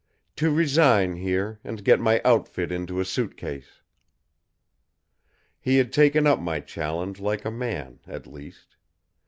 "To resign here, and get my outfit into a suitcase." He had taken up my challenge like a man, at least.